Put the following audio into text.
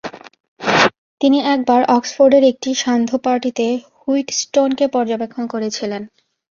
তিনি একবার অক্সফোর্ডের একটি সান্ধ্য পার্টিতে হুইটস্টোনকে পর্যবেক্ষণ করেছিলেন।